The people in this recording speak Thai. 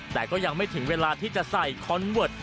แต่ก็ยังไม่ถึงเวลาที่จะใส่คอนเวิร์ต